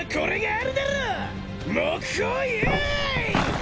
あ。